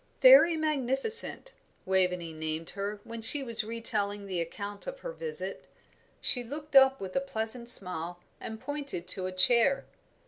"Fairy Magnificent," Waveney named her when she was retailing the account of her visit. She looked up with a pleasant smile, and pointed to a chair.